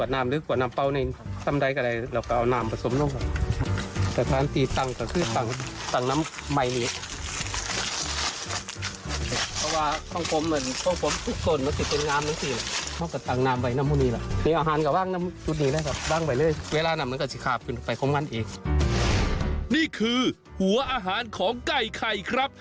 นี่คือหัวอาหารของไก่ไข่ครับ